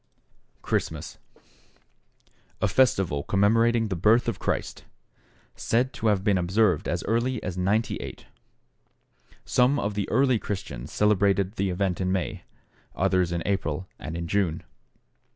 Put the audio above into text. =Christmas.= A festival commemorating the birth of Christ. Said to have been observed as early as 98. Some of the early Christians celebrated the event in May; others in April and in June.